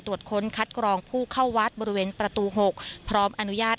ตรวจค้นคัดกรองผู้เข้าวัดบริเวณประตู๖พร้อมอนุญาต